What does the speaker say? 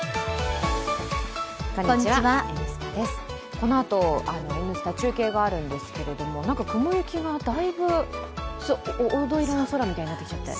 このあと「Ｎスタ」、中継があるんですけど、雲行きがだいぶ、黄土色の空みたいになってきました。